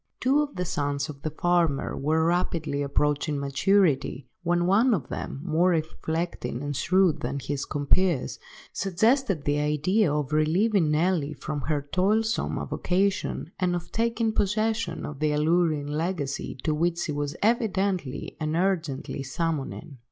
Two of the sons of the farmer were rapidly approaching maturity, when one of them, more reflecting and shrewd than his compeers, suggested the idea of relieving Nelly from her toilsome avocation, and of taking possession of the alluring legacy to which she was evidently and urgently summoning.